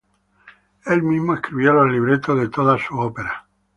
Él mismo escribió los libretos de todas sus óperas.